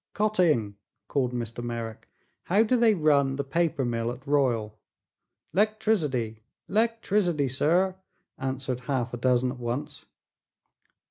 "Cotting," called Mr. Merrick, "how do they run the paper mill at Royal?" "'Lectricity! 'Lectricity, sir!" answered half a dozen at once.